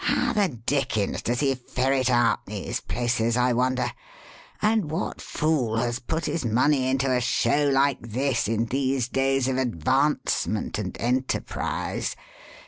"How the dickens does he ferret out these places, I wonder? And what fool has put his money into a show like this in these days of advancement and enterprise?